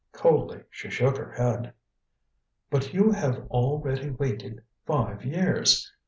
Coldly she shook her head. "But you have already waited five years.